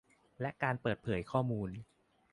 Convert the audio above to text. และการเปิดเผยข้อมูล